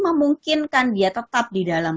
memungkinkan dia tetap di dalam